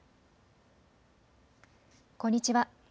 こんにちは。